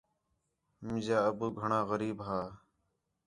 مینجا ابو گھݨاں غریب ہا